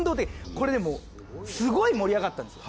これでもうすごい盛り上がったんですよ。